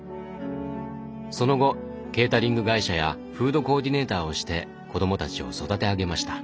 その後ケータリング会社やフードコーディネーターをして子どもたちを育て上げました。